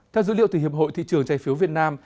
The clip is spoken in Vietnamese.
theo dữ liệu từ hiệp hội thị trường trái phiếu việt nam